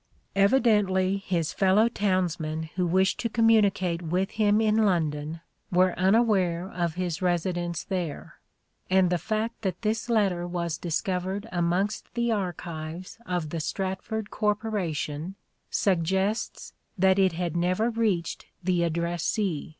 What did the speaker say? Evidently his fellow townsmen who wished to com municate with him in London were unaware of his residence there ; and the fact that this letter was discovered amongst the archives of the Stratford Corporation suggests that it had never reached the 60 " SHAKESPEARE " IDENTIFIED addressee.